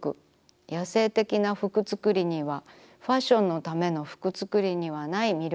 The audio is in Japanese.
野生的な服つくりにはファッションのための服つくりにはない魅力がありました。